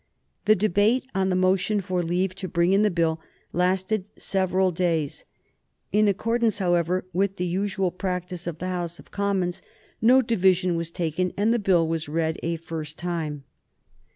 The debate on the motion for leave to bring in the Bill lasted several days. In accordance, however, with the usual practice of the House of Commons, no division was taken and the Bill was read a first time.